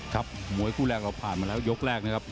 มวยคู่แรกเราผ่านมาแล้วยกแรกนะครับ